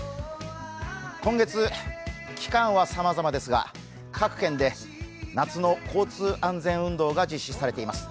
今月期間はさまざまですが各県で夏の交通安全運動が実施されています。